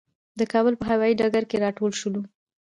د کابل په هوايي ډګر کې راټول شولو.